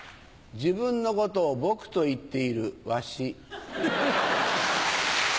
自分のことをボクと言っているワシ。